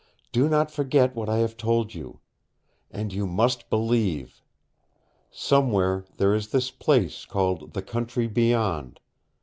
Do not forget what I have told you. And you must believe. Somewhere there is this place called the Country Beyond.